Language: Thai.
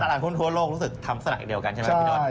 ร้านหุ้นทั่วโลกรู้สึกทำสลักเดียวกันใช่ไหมพี่นอท